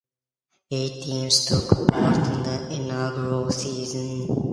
Eight teams took part in the inaugural season.